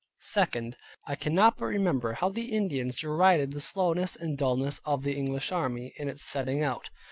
2. I cannot but remember how the Indians derided the slowness, and dullness of the English army, in its setting out.